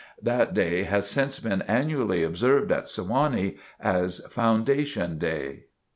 That day has since been annually observed at Sewanee as "Foundation Day."